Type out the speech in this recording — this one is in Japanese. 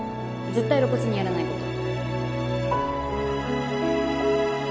絶対露骨にやらないこと。